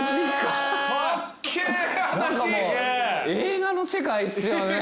映画の世界っすよね。